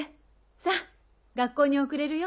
さぁ学校に遅れるよ。